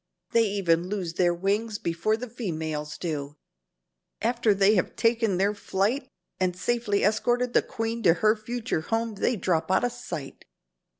They even lose their wings before the females do. After they have taken their flight and safely escorted the queen to her future home they drop out of sight.